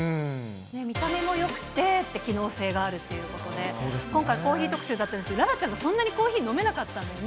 見た目もよくて機能性があるということで、今回、コーヒー特集だったんですけど、楽々ちゃん、そんなにコーヒー飲めなかったんだよね。